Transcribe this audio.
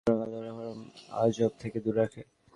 সুতরাং আল্লাহর হারম আল্লাহর আযাব থেকে দূরে রাখে।